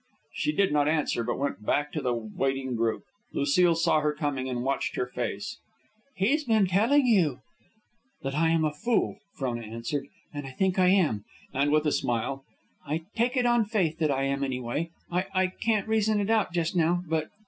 She did not answer, but went back to the waiting group. Lucile saw her coming and watched her face. "He's been telling you ?" "That I am a fool," Frona answered. "And I think I am." And with a smile, "I take it on faith that I am, anyway. I I can't reason it out just now, but.